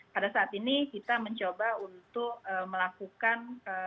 pada saat ini kita mencoba untuk melakukan